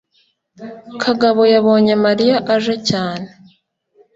kagabo yabonye mariya aje cyane